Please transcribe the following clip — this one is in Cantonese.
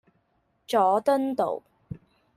佐敦道